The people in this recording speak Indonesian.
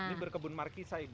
ini berkebun markisa ibu